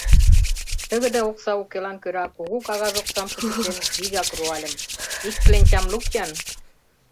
Тыгыде окса укелан кӧра кугу кагаз оксам кучыктен, вигак руальым: «Ик кленчам лук-ян!»